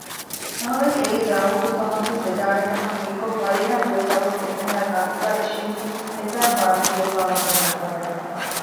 ނަމަވެސް އެއީ ދާއޫދުކަމަށްވެސް ވެދާނޭކަމަށް ހީކޮށް ފަރީނާ ދުވެފައިގޮސް އެމީހާގެ ގާތުގައި އިށީނީ ދެފައިން ބާރުދޫވެފައިވާ މީހެއް ފަދައިން